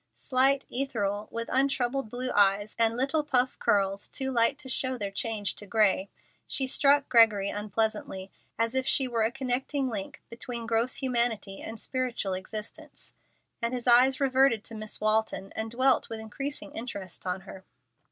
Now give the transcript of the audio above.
Slight, ethereal, with untroubled blue eyes, and little puff curls too light to show their change to gray, she struck Gregory unpleasantly, as if she were a connecting link between gross humanity and spiritual existence, and his eyes reverted to Miss Walton, and dwelt with increasing interest on her.